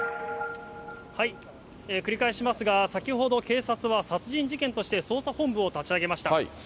繰り返しますが、先ほど警察は殺人事件として捜査本部を立ち上げました。